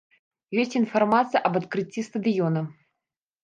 Ёсць інфармацыя аб адкрыцці стадыёна!